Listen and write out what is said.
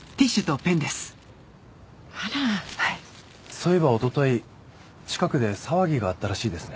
そういえばおととい近くで騒ぎがあったらしいですね。